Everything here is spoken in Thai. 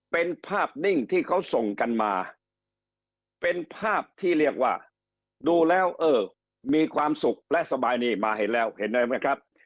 เป็นภาพนิ่งที่เขาส่งกันมาเป็นภาพที่เรียกว่าดูแล้วเออมีความสุขและสบายนี่มาเห็นแล้วเห็นอะไรไหมครับ